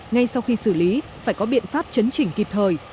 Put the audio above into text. ngay sau khi xử lý phải có biện pháp chấn chỉnh kịp thời